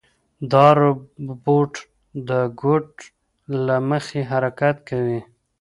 دا روبوټ د کوډ له مخې حرکت کوي.